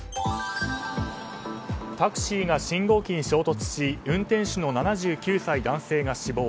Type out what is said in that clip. タクシーが信号機に衝突し運転手の７９歳男性が死亡。